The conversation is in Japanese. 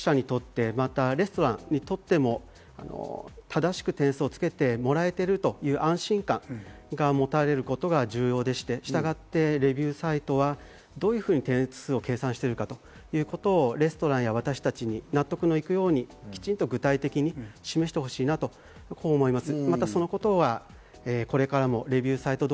消費者にとって、またレストランにとっても正しく点数をつけてもらえているという安心感が持たれることが重要でして、従ってレビューサイトはどういうふうに点数を計算しているかということをレストランや私たちに納得のいくように、きちんと具体的に示してほしいなと思います。